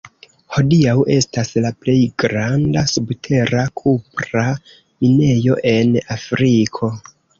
Hodiaŭ estas la plej granda subtera kupra minejo en Afriko.